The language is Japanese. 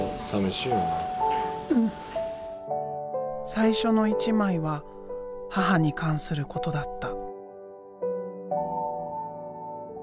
最初の一枚は母に関することだった。